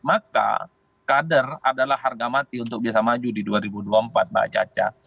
maka kader adalah harga mati untuk bisa maju di dua ribu dua puluh empat mbak caca